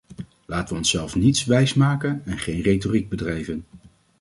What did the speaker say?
Laten we onszelf niets wijsmaken, en geen retoriek bedrijven.